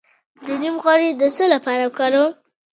د نیم غوړي د څه لپاره وکاروم؟